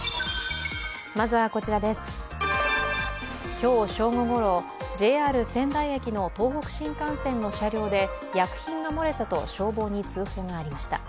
今日正午ごろ、ＪＲ仙台駅の東北新幹線の車両で薬品が漏れたと消防に通報がありました。